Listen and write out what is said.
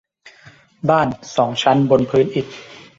บ้านสองชั้นบนพื้นอิฐ